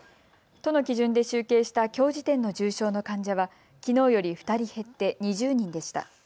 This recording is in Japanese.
都の基準で集計したきょう時点の重症の患者は、きのうより２人減って２０人でした。